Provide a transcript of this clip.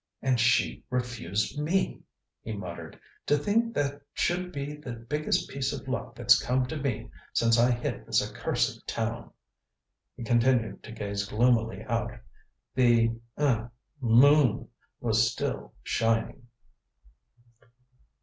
"And she refused me!" he muttered. "To think that should be the biggest piece of luck that's come to me since I hit this accursed town!" He continued to gaze gloomily out. The er moon was still shining.